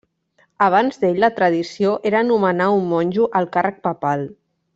Abans d'ell la tradició era nomenar un monjo al càrrec papal.